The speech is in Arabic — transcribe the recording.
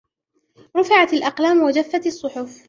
رُفِعَتِ الأَقْلاَمُ وَجَفَّتِ الصُّحُفُ